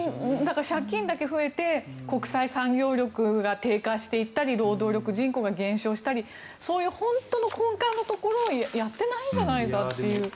だから、借金だけ増えて国際産業力が低下していったり労働力人口が低下していったりそういう本当の根幹のところをやっていないんじゃないかって。